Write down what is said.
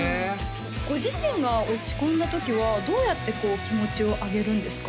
ご自身が落ち込んだ時はどうやってこう気持ちを上げるんですか？